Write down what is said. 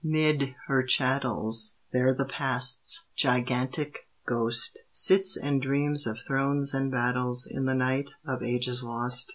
'Mid her chattels, There the Past's gigantic ghost Sits and dreams of thrones and battles In the night of ages lost.